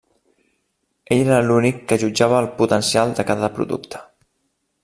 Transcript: Ell era l'únic que jutjava el potencial de cada producte.